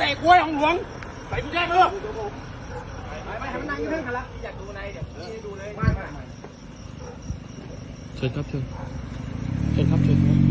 ไม่งั้นกระแจเมื่อจากเกตเลยถอดเตยเนื้อ